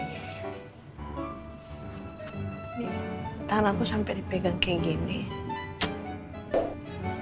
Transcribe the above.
nih tahan aku sampe dipegang kayak gini